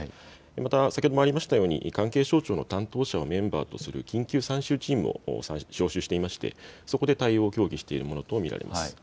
また先ほどもありましたように関係省庁の担当者をメンバーとする緊急参集チームを招集していましてそこで対応を協議しているものと見られます。